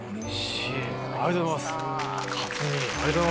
克兄ありがとうございます。